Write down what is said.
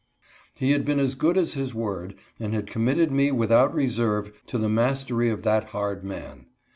He had been as good as his word, and had committed me without reserve to the mastery of that hard man.